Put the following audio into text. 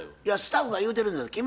いやスタッフが言うてるんです。